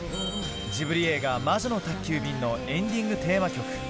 ジブリ映画、魔女の宅急便のエンディングテーマ曲。